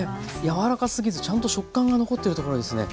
柔らかすぎずちゃんと食感が残ってるところがいいですね。